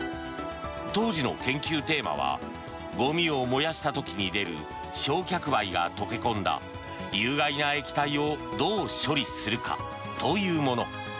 当時の研究テーマはゴミを燃やした時に出る焼却灰が溶け込んだ有害な液体をどう処理するかというもの。